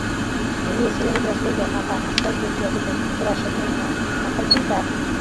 ভুলিয়া চিরুনি ব্রুশ লইয়া মাথা আঁচড়াইতে গিয়া দেখে, প্রায় সকল মাথাতেই টাক।